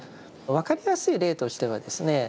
分かりやすい例としてはですね